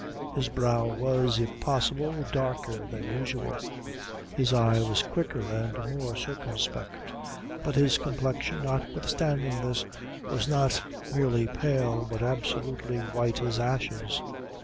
His brow was, if possible, darker than usual; his eye was quicker and more circumspect, but his complexion, notwithstanding this, was not merely pale, but absolutely white as ashes.